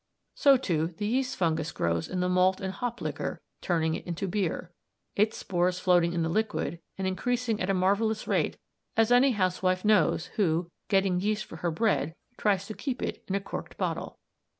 So, too, the yeast fungus grows in the malt and hop liquor, turning it into beer; its spores floating in the fluid and increasing at a marvellous rate, as any housewife knows who, getting yeast for her bread, tries to keep it in a corked bottle.